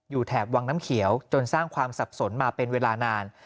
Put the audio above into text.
แถบวังน้ำเขียวจนสร้างความสับสนมาเป็นเวลานาน